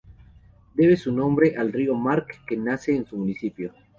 Debe su nombre al río Mark, que nace en su municipio.